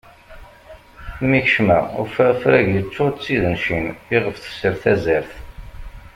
Mi kecmeɣ ufiɣ afrag yeččur d tidencin iɣef tefser tazart.